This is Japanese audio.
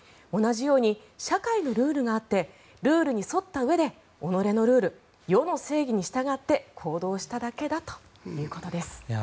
同じように社会のルールがあってルールに沿ったうえで己のルール、余の正義に従って行動しただけだということです。